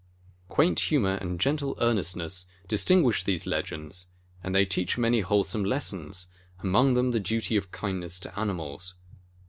Quaint humor and gentle earnestness distinguish these legends and they teach many wholesome lessons, among them the duty of kindness to animals.